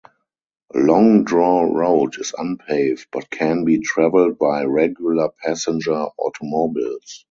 Long Draw Road is unpaved, but can be traveled by regular passenger automobiles.